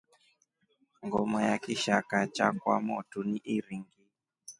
Ngoma ya kishakaa cha kwa motu ni iringi.